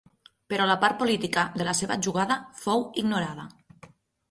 Però la part política de la seva jugada fou ignorada.